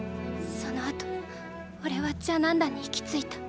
その後おれはジャナンダに行き着いた。